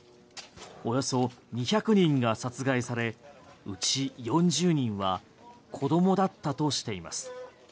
およそ２００人が殺害されうち４０人は子どもだったとしています。